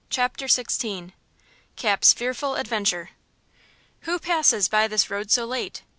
CHAPTER XVI. CAP'S FEARFUL ADVENTURE. Who passes by this road so late?